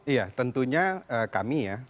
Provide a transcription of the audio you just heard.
iya tentunya kami ya